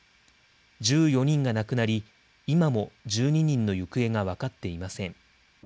１４人が亡くなり、今も１２人の行方が分かっていません。